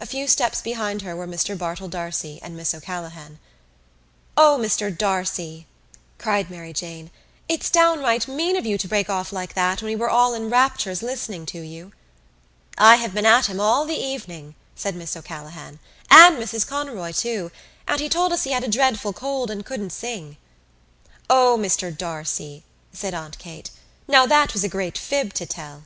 A few steps behind her were Mr Bartell D'Arcy and Miss O'Callaghan. "O, Mr D'Arcy," cried Mary Jane, "it's downright mean of you to break off like that when we were all in raptures listening to you." "I have been at him all the evening," said Miss O'Callaghan, "and Mrs Conroy too and he told us he had a dreadful cold and couldn't sing." "O, Mr D'Arcy," said Aunt Kate, "now that was a great fib to tell."